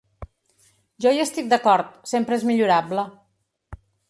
Jo hi estic d’acord, sempre és millorable.